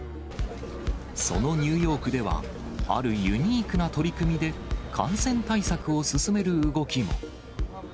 そのニューヨークでは、あるユニークな取り組みで感染対策を進める動きも。